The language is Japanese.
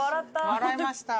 笑いました。